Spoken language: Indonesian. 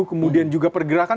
kemudian juga pergerakan